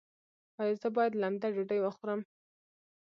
ایا زه باید لمده ډوډۍ وخورم؟